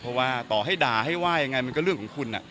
เพราะว่าต่อให้ด่าให้ว่ายังไงมันก็เรื่องของคุณ